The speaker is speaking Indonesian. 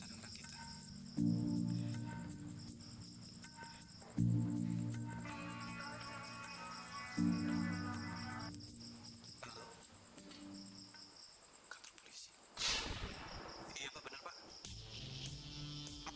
dan bapak akan menarik semua ucapan bapak